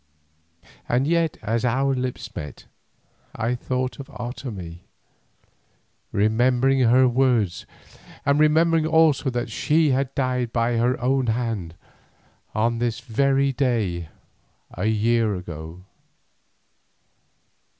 And yet as our lips met I thought of Otomie, remembering her words, and remembering also that she had died by her own hand on this very day a year ago.